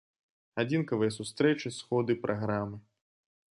Адзінкавыя сустрэчы, сходы, праграмы.